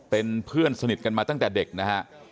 เป็นเพื่อนสนิทกันมาตั้งแต่เด็กนะฮะ